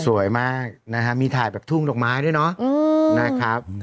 สวยมากมีถ่ายแบบทุ่งลูกไม้ด้วยนะครับ